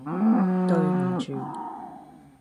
對唔住